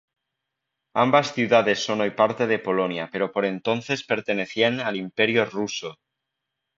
Ambas ciudades son hoy parte de Polonia pero por entonces pertenecían al Imperio ruso.